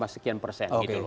sekian persen gitu